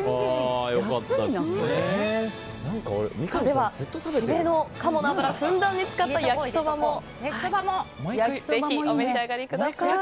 では、締めの鴨の脂をふんだんに使った焼きそばもぜひお召し上がりください。